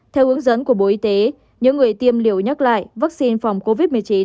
theo hướng dẫn của bộ y tế những người tiêm liều nhắc lại vaccine phòng covid một mươi chín